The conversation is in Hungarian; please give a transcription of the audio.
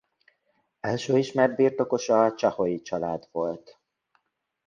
Első ismert birtokosa a Csaholyi család volt.